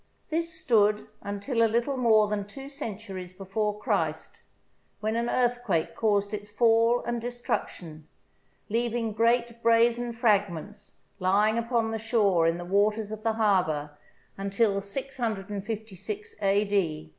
This stood until a THE SIEGE OF RHODES little more than two centuries before Christ, when an earthquake caused its fall and destruction, leav ing great brazen fragments lying upon the shore in the waters of the harbour until 656 a.d.